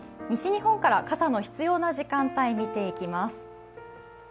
西日本から傘の必要な時間帯、見ていきます。